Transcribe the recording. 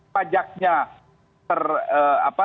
pajaknya ter apa